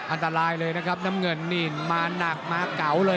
อันตรายเลยนะครับน้ำเงินนี่มาหนักมาเก๋าเลย